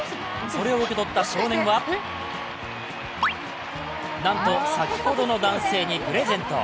それを受け取った少年はなんと先ほどの男性にプレゼント。